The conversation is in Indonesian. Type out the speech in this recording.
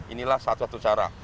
inilah satu satu cara